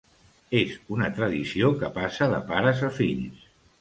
És una tradició que passa de pares a fills.